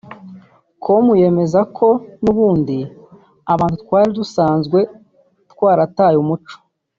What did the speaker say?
com yemeza ko n’ubundi abantu twari dusanzwe twarataye umuco